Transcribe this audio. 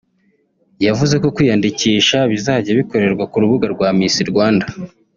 yavuze ko kwiyandikisha bizajya bikorerwa ku rubuga rwa Miss Rwanda